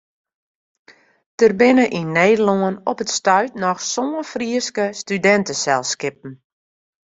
Der binne yn Nederlân op it stuit noch sân Fryske studinteselskippen.